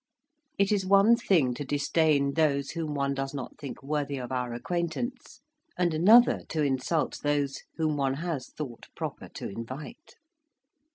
It is one thing to disdain those whom one does not think worthy of our acquaintance, and another to insult those whom one has thought proper to invite.